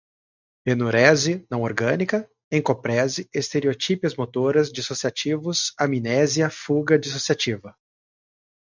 enurese, não-orgânica, encoprese, estereotipias motoras, dissociativos, amnésia, fuga, dissociativa